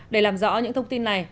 để làm rõ những thông tin này